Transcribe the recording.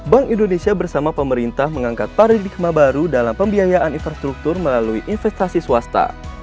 bank indonesia bersama pemerintah mengangkat paradigma baru dalam pembiayaan infrastruktur melalui investasi swasta